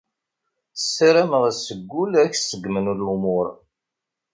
Sarameɣ seg ul ad k-seggmen lumuṛ.